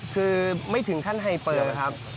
คือไม่ถึงขั้นไฮเปอร์ครับ